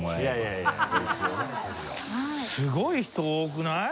すごい人多くない？